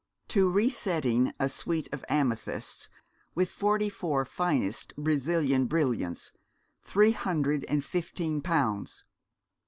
'To re setting a suite of amethysts, with forty four finest Brazilian brilliants, three hundred and fifteen pounds.'